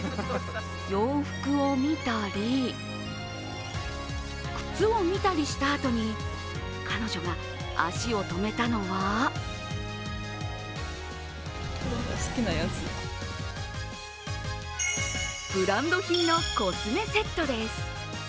洋服を見たり、靴を見たりしたあとに彼女が足を止めたのはブランド品のコスメセットです。